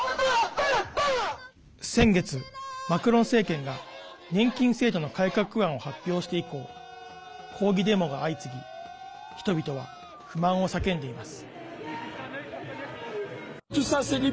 先月、マクロン政権が年金制度の改革案を発表して以降抗議デモが相次ぎ人々は不満を叫んでいます。